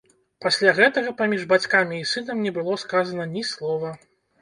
Пасля гэтага паміж бацькам і сынам не было сказана ні слова.